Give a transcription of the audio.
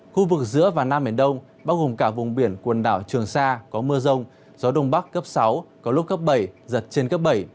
khu vực giữa và nam biển đông bao gồm cả vùng biển quần đảo trường sa có mưa rông gió đông bắc cấp sáu có lúc cấp bảy giật trên cấp bảy